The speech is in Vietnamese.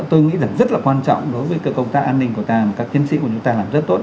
tôi nghĩ là rất là quan trọng đối với công tác an ninh của ta mà các chiến sĩ của chúng ta làm rất tốt